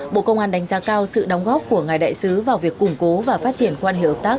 bộ công an đánh giá cao sự đóng góp của ngài đại sứ vào việc củng cố và phát triển quan hệ hợp tác